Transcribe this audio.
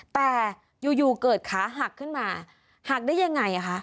แต่อยู่เกิดขาหักขึ้นมาหักได้ยังไงคะ